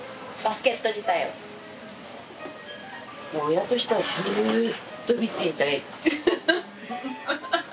親としてはずっと見ていたい。